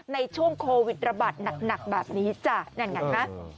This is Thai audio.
ในช่วงโควิดระบาดหนักแบบนี้จ้ะนั่นไงฮะ